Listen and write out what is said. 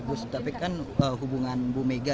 bu sutapek kan hubungan bu mega